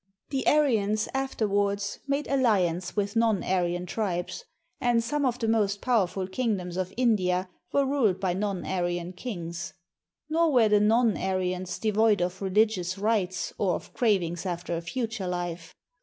The Aryans afterwards made alliance with non Aryan tribes; and some of the most powerful kingdoms of India were ruled by non Aryan kings. Nor were the non Aryans devoid of religious rites or of crav ings after a future life.